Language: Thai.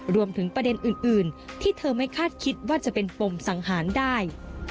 รวมถึงประเด็นอื่นที่เธอไม่คาดคิดว่าจะเป็นปมสังหารได้